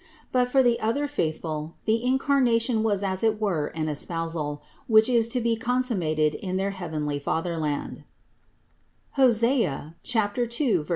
But for the other faithful the Incarnation was as it were an espousal, which is to be consummated in their heavenly fatherland (Osea 2, 19). 161.